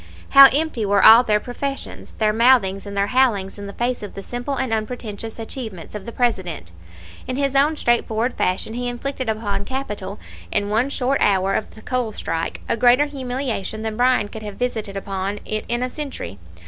How empty were all their professions, their mouthings and their howlings in the face of the simple and unpretentious achievements of the President! In his own straightforward fashion he inflicted upon capital in one short hour of the coal strike a greater humiliation than Bryan could have visited upon it in a century.